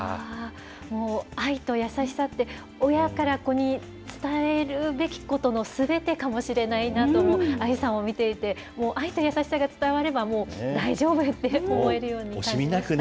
もう愛と優しさって、親から子に伝えるべきことのすべてかもしれないなと、ＡＩさんを見ていて、愛と優しさが伝われば、もう大丈夫って思えるようになりました。